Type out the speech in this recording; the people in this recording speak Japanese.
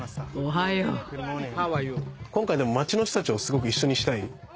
今回町の人たちをすごく一緒にしたい。